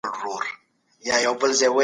که څېړنه نه وي، علمي پرمختګ به په ټپه ودریږي.